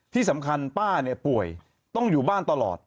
ที่สำคัญป้าเนี่ยป่วยต้องอยู่บ้านตลอด